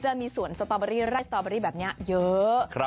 จะมีสวนสตอบเบอรี่แร่บแบบเนี่ยเยอะ